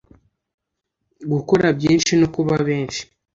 gukora byinshi no kuba benshi,